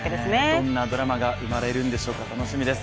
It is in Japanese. どんなドラマが生まれるんでしょうか、楽しみです。